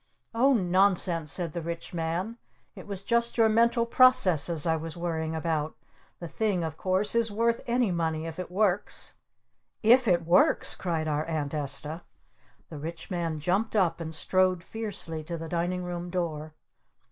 "Oh, nonsense!" said the Rich Man. "It was just your mental processes I was wondering about. The thing, of course, is worth any money if it works!" "If it works?" cried our Aunt Esta. The Rich Man jumped up and strode fiercely to the Dining Room door.